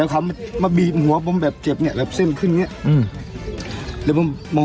เห็นมามีใครมาทำของใสหรืออย่างไร